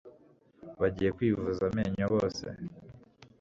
bagiye kwivuza amenyo bose